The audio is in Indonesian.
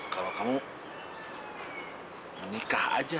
kalau kamu menikah aja